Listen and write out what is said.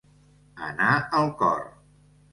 Anar el cor.